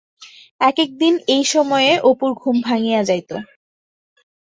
এক-একদিন এই সময়ে অপুর ঘুম ভাঙিয়া যাইত।